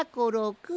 くん